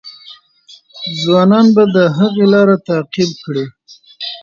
ځوانان به د هغې لار تعقیب کړي.